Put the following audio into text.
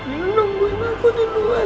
yang nungguin aku di luar